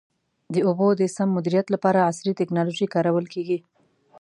د اوبو د سم مدیریت لپاره عصري ټکنالوژي کارول کېږي.